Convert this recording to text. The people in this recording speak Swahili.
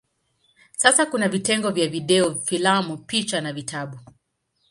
Sasa kuna vitengo vya video, filamu, picha na vitabu.